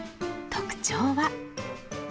特徴は。